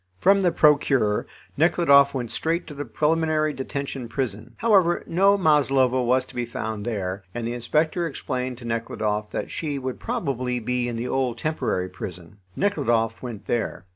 From the Procureur Nekhludoff went straight to the preliminary detention prison. However, no Maslova was to be found there, and the inspector explained to Nekhludoff that she would probably be in the old temporary prison. Nekhludoff went there.